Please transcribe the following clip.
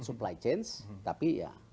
supply chain tapi ya